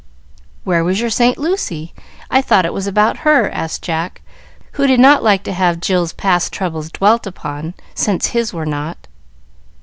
"Where was your Saint Lucy? I thought it was about her," asked Jack, who did not like to have Jill's past troubles dwelt upon, since his were not.